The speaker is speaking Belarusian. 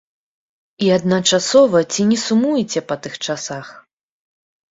І адначасова ці не сумуеце па тых часах?